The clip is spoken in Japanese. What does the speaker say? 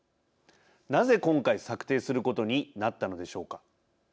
なぜ今回、策定することになったのでしょうか。